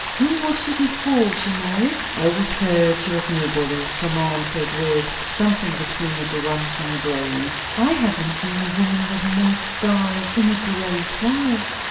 Who was she before she married?" "I always heard she was nobody," Tom answered, with something between a grunt and a groan. "Nobody! But that's nonsense. I haven't seen a woman with more style in a great while."